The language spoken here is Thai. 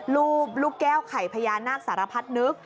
รูปลูกแก้วไข่พญานาคสารพัดนึก